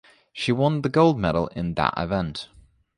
She won the gold medal in that event.